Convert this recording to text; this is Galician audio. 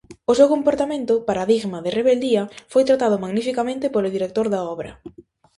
O seu comportamento, paradigma de rebeldía, foi tratado magnificamente polo director da obra.